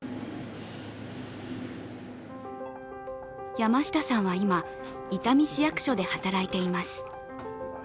山下さんは今、伊丹市役所で働いています。